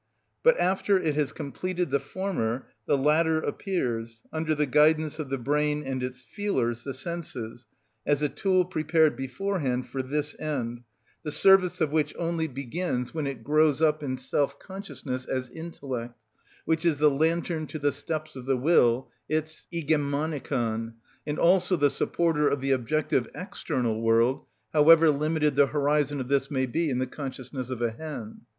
But after it has completed the former, the latter appears, under the guidance of the brain and its feelers, the senses, as a tool prepared beforehand for this end, the service of which only begins when it grows up in self consciousness as intellect, which is the lantern to the steps of the will, its ἡγεμονικον, and also the supporter of the objective external world, however limited the horizon of this may be in the consciousness of a hen.